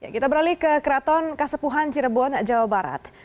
kita beralih ke keraton kasepuhan cirebon jawa barat